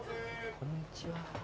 こんにちは。